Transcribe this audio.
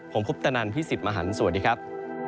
ผมพุทธนันพี่สิบมหันสวัสดีครับ